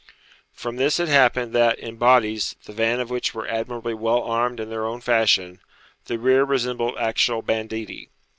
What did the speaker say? From this it happened that, in bodies, the van of which were admirably well armed in their own fashion, the rear resembled actual banditti.